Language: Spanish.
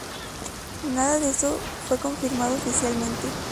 Nada de esto fue confirmado oficialmente.